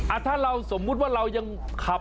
อ้าถ้าจงคือว่าเรายังคับ